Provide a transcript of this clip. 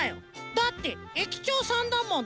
だって駅長さんだもの。